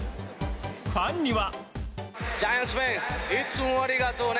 ファンには。